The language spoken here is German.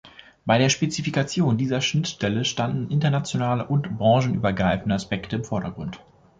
Bei der Spezifikation dieser Schnittstelle standen internationale und branchenübergreifende Aspekte im Vordergrund.